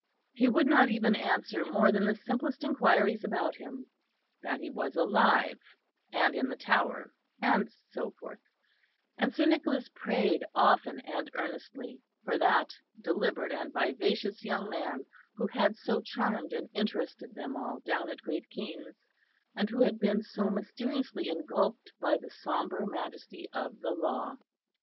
He would not even answer more than the simplest inquiries about him, that he was alive and in the Tower, and so forth; and Sir Nicholas prayed often and earnestly for that deliberate and vivacious young man who had so charmed and interested them all down at Great Keynes, and who had been so mysteriously engulfed by the sombre majesty of the law.